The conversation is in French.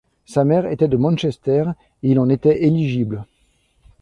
Sa mère étant de Manchester, il en était éligible.